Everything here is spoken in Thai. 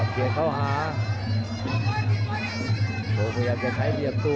พวกมันยังจะใช้เหลี่ยมตัว